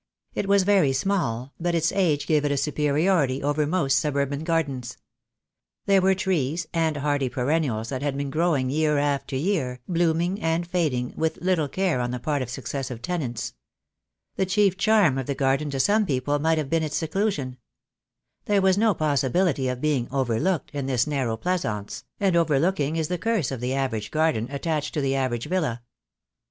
It was very small, but its age gave it a superiority over most suburban gardens. There were trees, and hardy perennials that had been growing year after year, blooming and fading, with little care on the part of successive tenants. The chief charm of the garden to some people might have been its seclusion. There was no possibility of being "overlooked" in this narrow pleasaunce, and over looking is the curse of the average garden attached to the average villa.